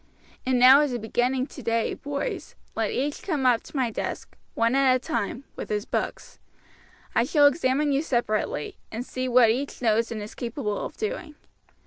And now as a beginning today, boys, let each come up to my desk, one at a time, with his books. I shall examine you separately, and see what each knows and is capable of doing.